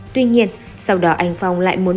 tuy nhiên sau đó anh phong lại muốn